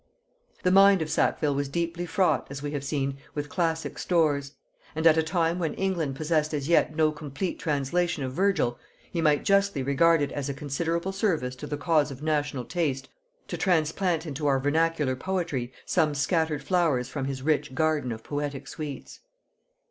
The mind of Sackville was deeply fraught, as we have seen, with classic stores; and at a time when England possessed as yet no complete translation of Virgil, he might justly regard it as a considerable service to the cause of national taste to transplant into our vernacular poetry some scattered flowers from his rich garden of poetic sweets.